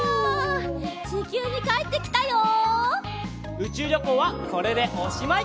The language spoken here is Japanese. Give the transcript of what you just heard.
うちゅうりょこうはこれでおしまい！